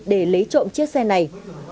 để lấy trộm chiếc xe này